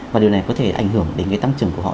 và điều này có thể ảnh hưởng đến cái tăng trưởng của họ